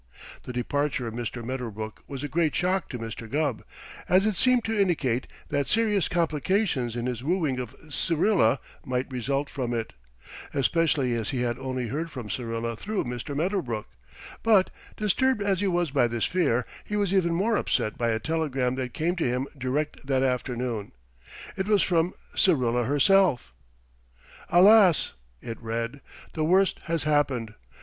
The departure of Mr. Medderbrook was a great shock to Mr. Gubb, as it seemed to indicate that serious complications in his wooing of Syrilla might result from it, especially as he had only heard from Syrilla through Mr. Medderbrook, but, disturbed as he was by this fear, he was even more upset by a telegram that came to him direct that afternoon. It was from Syrilla herself Alas! [it read], the worst has happened.